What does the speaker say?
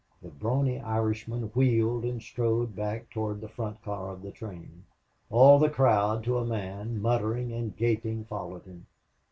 The brawny Irishman wheeled and strode back toward the front car of the train. All the crowd, to a man, muttering and gaping, followed him.